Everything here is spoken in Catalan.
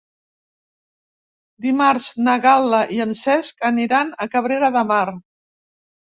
Dimarts na Gal·la i en Cesc aniran a Cabrera de Mar.